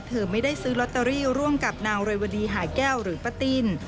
เธอไม่ได้ซื้อลอตเตอรี่ร่วมกับนางเรวดีหาแก้วหรือป้าติ้น